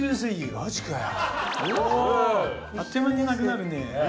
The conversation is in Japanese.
これあっという間になくなるね